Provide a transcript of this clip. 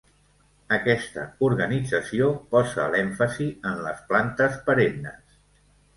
Aquesta organització posa l'èmfasi en les plantes perennes.